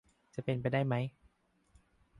จะเป็นไปได้ไหม